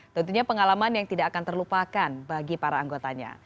tentunya pengalaman yang tidak akan terlupakan bagi para anggotanya